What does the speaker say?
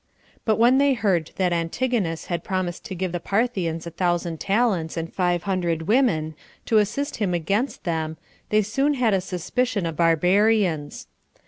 But when they heard that Antigonus had promised to give the Parthians a thousand talents, and five hundred women, to assist him against them, they soon had a suspicion of the barbarians.